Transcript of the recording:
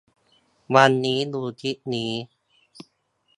วันนี้ดูคลิปนี้